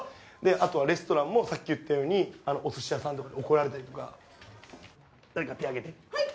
あとはレストランもさっき言ったようにお寿司屋さんとか怒られたりとか誰か手あげてはい！